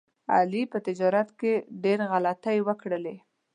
علي په تجارت کې ډېر غلطۍ وکړلې.